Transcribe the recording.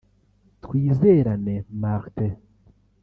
Twizerane Martin